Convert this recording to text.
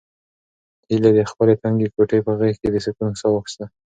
هیلې د خپلې تنګې کوټې په غېږ کې د سکون ساه واخیسته.